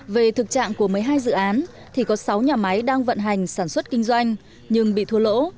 về thực trạng của một mươi hai dự án thì có sáu nhà máy đang vận hành sản xuất kinh doanh nhưng bị thua lỗ